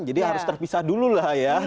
jadi harus terpisah dulu lah ya